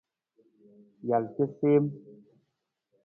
Jal casiim.